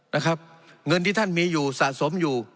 นะครับเงินที่ท่านมีอยู่สะสมอยู่